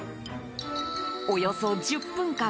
およそ１０分間